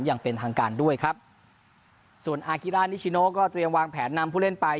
อย่างเป็นทางการด้วยครับส่วนอากิรานิชิโนก็เตรียมวางแผนนำผู้เล่นไป